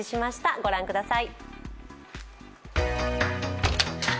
御覧ください。